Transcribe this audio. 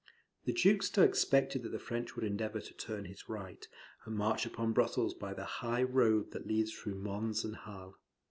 The Duke still expected that the French would endeavour to turn his right, and march upon Brussels by the high road that leads through Mons and Hal.